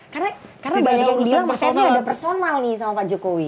karena banyak yang bilang mas epp nya ada personal nih sama pak jokowi